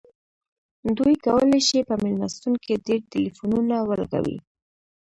دوی کولی شي په میلمستون کې ډیر ټیلیفونونه ولګوي